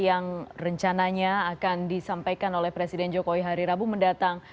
yang rencananya akan disampaikan oleh presiden jokowi hari rabu mendatang